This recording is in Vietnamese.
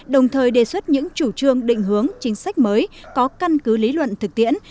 đồng thời đề xuất những chủ trương định hướng chính sách mới có căn cứ lý luận thực tiễn